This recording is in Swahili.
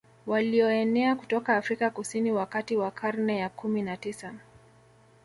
Walioenea kutoka Afrika Kusini wakati wa karne ya kumi na tisa